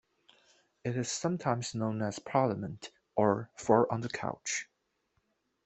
It is sometimes known as "Parliament" or "Four on the Couch".